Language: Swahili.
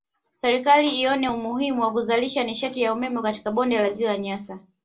Serikali ione umuhimu wa kuzalisha nishati ya umeme katika bonde la ziwa Nyasa